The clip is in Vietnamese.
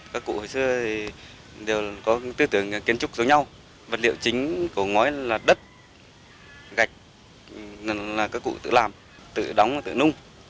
các cụ hồi xưa thì đều có tư tưởng kiến trúc giống nhau vật liệu chính của ngói là đất gạch là các cụ tự làm tự đóng tự nung